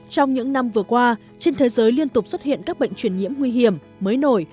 trong những năm vừa qua trên thế giới liên tục xuất hiện các bệnh truyền nhiễm nguy hiểm mới nổi